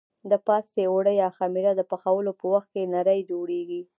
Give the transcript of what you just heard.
د پاستي اوړه یا خمېره د پخولو په وخت کې نرۍ جوړېږي.